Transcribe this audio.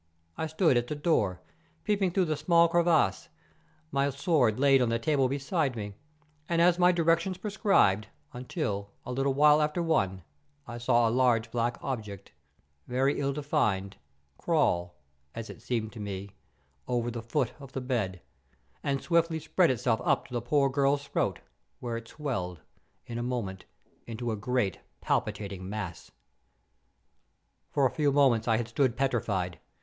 I stood at the door, peeping through the small crevice, my sword laid on the table beside me, as my directions prescribed, until, a little after one, I saw a large black object, very ill defined, crawl, as it seemed to me, over the foot of the bed, and swiftly spread itself up to the poor girl's throat, where it swelled, in a moment, into a great, palpitating mass. "For a few moments I had stood petrified.